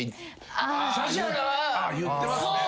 言ってますね。